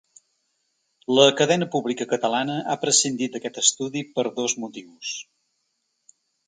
La cadena pública catalana ha prescindit d’aquest estudi per dos motius.